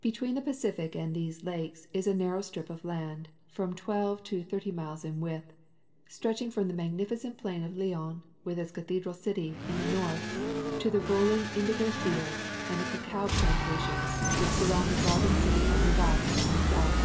Between the Pacific and these lakes is a narrow strip of land, from twelve to thirty miles in width, stretching from the magnifi cent plain of Leon with its cathedral city, in the north, to the rol ling indigo fields and the cacao plantations which surround the garden city of Rivas, in the south.